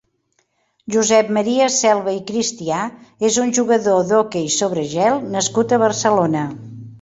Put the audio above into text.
Josep Maria Selva i Cristià és un jugador d'hoquei sobre gel nascut a Barcelona.